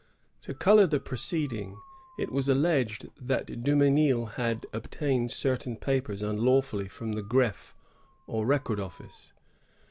To color the proceeding, it was alleged that Dumesnil had obtained certain papers unlawfully from the greffty or record office.